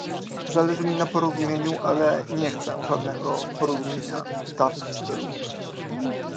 Zależy mi na porozumieniu, ale nie chcę żadnego porozumienia w dawnym stylu